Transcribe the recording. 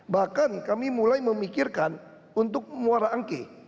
bahkan kami mulai memikirkan untuk muara angke